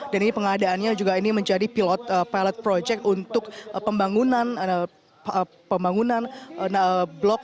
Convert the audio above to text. dan ini pengadaannya juga ini menjadi pilot project untuk pembangunan blok